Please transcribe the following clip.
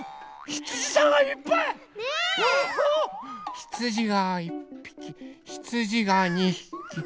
ひつじがにひき。